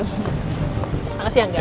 terima kasih ya enggak ya